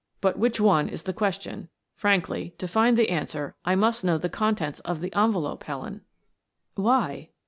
"But which one is the question. Frankly, to find the answer, I must know the contents of the envelope, Helen." "Why?"